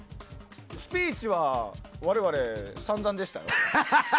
スピーチは我々散々でしたよ。